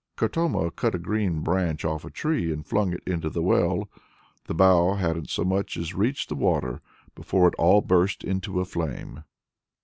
Katoma cut a green branch off a tree, and flung it into the well. The bough hadn't so much as reached the water before it all burst into a flame!